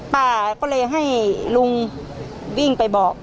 ป้าก็เลยให้ลุงวิ่งไปบอก